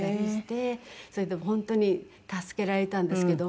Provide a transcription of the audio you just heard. それで本当に助けられたんですけど。